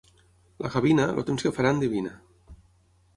La gavina, el temps que farà, endevina.